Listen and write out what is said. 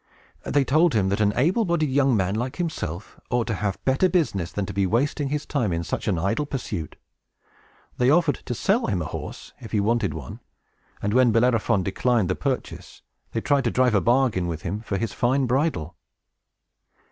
They told him that an able bodied young man, like himself, ought to have better business than to be wasting his time in such an idle pursuit. They offered to sell him a horse, if he wanted one; and when Bellerophon declined the purchase, they tried to drive a bargain with him for his fine bridle.